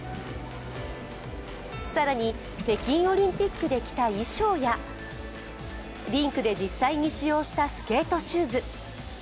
更に北京オリンピックで着た衣装やリンクで実際に使用したスケートシューズ